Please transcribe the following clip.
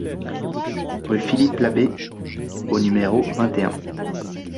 Rue Philippe Labbé au numéro vingt et un